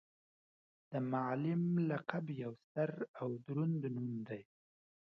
د معلم لقب یو ستر او دروند نوم دی.